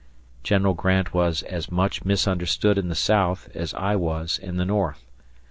General Grant was as much misunderstood in the South as I was in the North.